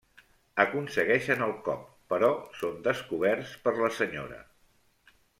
Aconsegueixen el cop, però són descoberts per la senyora.